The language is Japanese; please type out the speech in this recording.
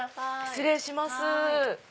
失礼します。